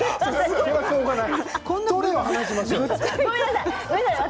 そりゃしょうがない。